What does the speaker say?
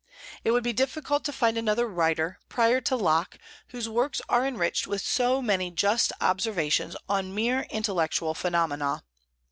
It would be difficult to find another writer, prior to Locke, whose works are enriched with so many just observations on mere intellectual phenomena.